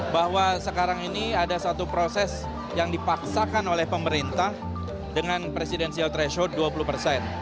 bahwa sekarang ini ada satu proses yang dipaksakan oleh pemerintah dengan presidensial threshold dua puluh persen